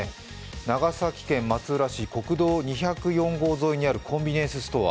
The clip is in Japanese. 長崎県松浦市、国道２０４号線沿いにあるコンビニエンスストア。